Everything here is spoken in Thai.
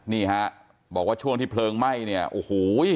นี่ฮะบอกว่าช่วงที่เพลิงไหม้เนี่ยโอ้โห